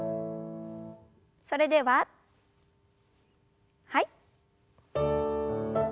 それでははい。